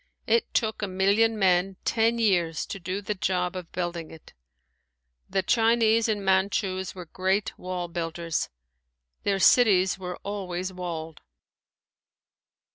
It took a million men ten years to do the job of building it. The Chinese and Manchus were great wall builders. Their cities were always walled.